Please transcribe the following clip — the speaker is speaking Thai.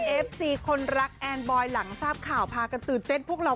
เอฟซีคนรักแอนบอยหลังทราบข่าวพากันตื่นเต้นพวกเรา